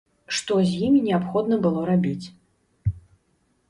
Што з імі неабходна было рабіць?